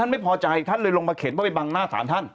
ไม่พอใจท่านเลยลงมาเข็นเพราะไปบังหน้าศาลท่าน